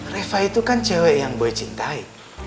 reva itu kan cewek yang gue cintai